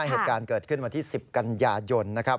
เหตุการณ์เกิดขึ้นวันที่๑๐กันยายนนะครับ